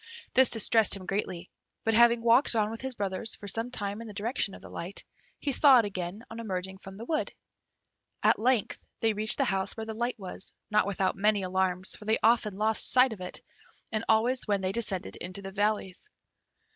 This distressed him greatly; but having walked on with his brothers for some time in the direction of the light, he saw it again on emerging from the wood. At length they reached the house where the light was, not without many alarms, for they often lost sight of it, and always when they descended into the valleys.